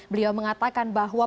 beliau mengatakan bahwa